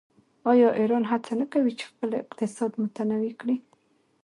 آیا ایران هڅه نه کوي چې خپل اقتصاد متنوع کړي؟